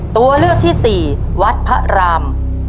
ตัวเลือกที่สี่วัดพระราม